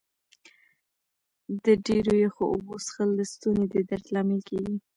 د ډېرو یخو اوبو څښل د ستوني د درد لامل کېږي.